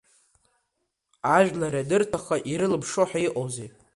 Ажәлар ианырҭахха ирылымшоҳәа иҟоузеи!